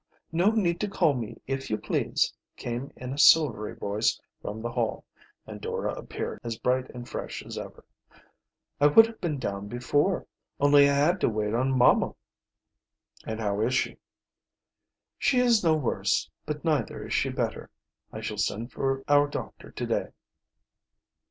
"No need to call me, if you please," came in a silvery voice from the hall, and Dora appeared, as bright and fresh as ever. "I would have been down before, only I had to wait on mamma." "And how is she?" "She is no worse, but neither is she better. I shall send for our doctor to day."